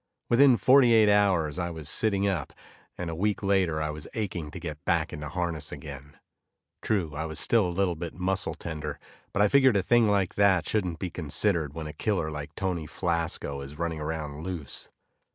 Within forty eight hours, I was sitting up, and a week later I was aching to get back into harness again. True, I was still a bit muscle tender, but I figured a thing like that shouldn't be considered when a killer like Tony Flasco is running around loose.